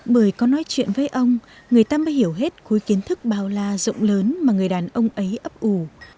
bởi có nói chuyện với ông người ta mới hiểu hết khối kiến thức bao la rộng lớn mà người đàn ông ấy ấp ủ